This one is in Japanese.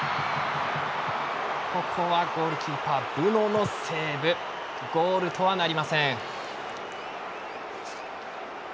ここはゴールキーパーブヌのセーブゴールとはなりません。